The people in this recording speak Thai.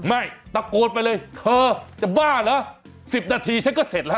ไม่ตะโกนไปเลยเธอจะบ้าเหรอ๑๐นาทีฉันก็เสร็จแล้ว